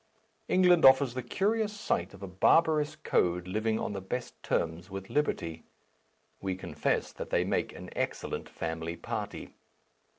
England offers the curious sight of a barbarous code living on the best terms with liberty. We confess that they make an excellent family party.